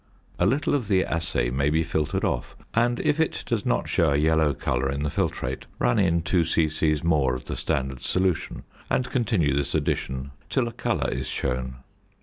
A little of the assay may be filtered off, and if it does not show a yellow colour in the filtrate run in 2 c.c. more of the standard solution and continue this addition till a colour is shown.